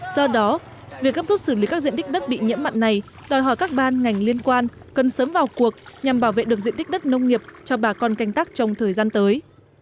do đó việc gấp rút xử lý các diện tích đất bị nhiễm mặn này đòi hỏi các ban ngành liên quan cần sớm vào cuộc nhằm bảo vệ được diện tích đất nông nghiệp cho bà con canh tác trong thời gian tới